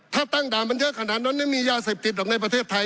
ถ้าตั้งด่านมันเยอะขนาดนั้นไม่มียาเสพติดหรอกในประเทศไทย